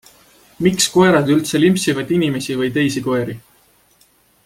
Miks koerad üldse limpsivad inimesi või teisi koeri?